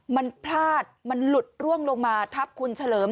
มันพลาดมันหลุดร่วงลงมาทับคุณเฉลิม